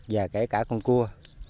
và kể cả con cua